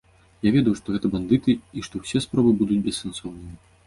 Я ведаў, што гэта бандыты і што ўсе спробы будуць бессэнсоўныя.